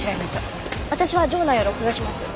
私は場内を録画します。